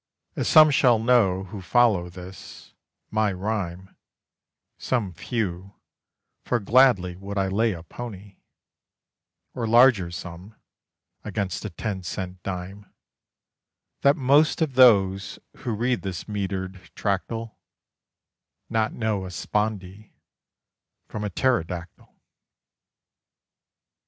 As some shall know who follow this, my rhyme Some few: for gladly would I lay a pony, Or larger sum, against a ten cent dime, That most of those who read this metred tract'll Not know a spondee from a pterodactyl.